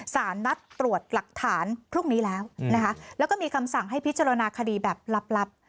สารนัดตรวจหลักฐานพรุ่งนี้แล้วนะคะแล้วก็มีคำสั่งให้พิจารณาคดีแบบลับ